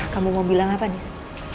kamu mau bilang apa nih